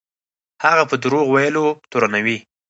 هغه په دروغ ویلو تورنوي.